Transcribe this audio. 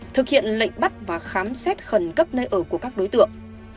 thực hiện lệnh bắt và khám xét khẩn cấp nơi ở của các đối tượng